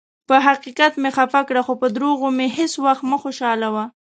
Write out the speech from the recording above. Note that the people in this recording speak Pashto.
پۀ حقیقت مې خفه کړه، خو پۀ دروغو مې هیڅ ؤخت مه خوشالؤه.